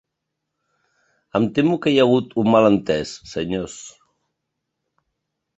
Em temo que hi ha hagut un malentès, senyors.